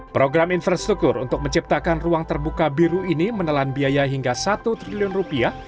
program infrastruktur untuk menciptakan ruang terbuka biru ini menelan biaya hingga satu triliun rupiah